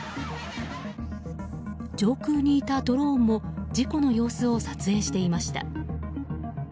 上空にいたドローンも事故の様子を撮影していました。